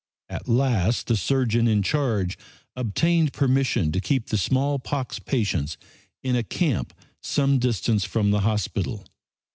At last the surgeon in charge obtained permission to keep the smallpox patients in a camp some distance from the hospital.